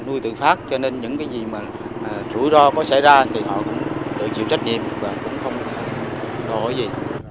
nuôi tự phát cho nên những cái gì mà rủi ro có xảy ra thì họ cũng tự chịu trách nhiệm và cũng không đòi hỏi gì